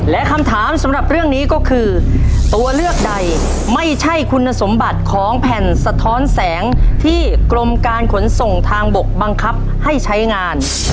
และคำถามสำหรับเรื่องนี้ก็คือตัวเลือกใดไม่ใช่คุณสมบัติของแผ่นสะท้อนแสงที่กรมการขนส่งทางบกบังคับให้ใช้งาน